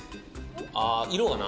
あ色がな。